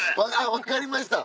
分かりました。